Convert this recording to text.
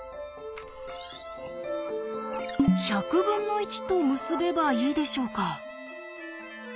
１００分の１と結べばいいでしょうか？